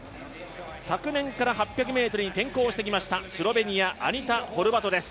昨年から８００ｍに転向してきました、スロベニア、アニタ・ホルバトです。